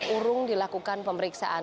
urung dilakukan pemeriksaan